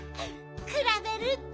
くらべるって。